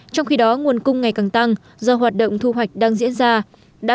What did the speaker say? trong khi đó nguồn cung ngày càng tăng do hoạt động thu hoạch đang diễn ra